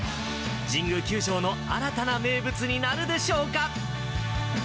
神宮球場の新たな名物になるでしょうか。